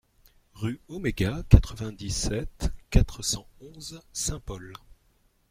Rue Oméga, quatre-vingt-dix-sept, quatre cent onze Saint-Paul